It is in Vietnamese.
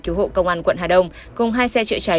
cứu hộ công an quận hà đông cùng hai xe chữa cháy